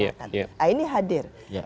nah ini hadir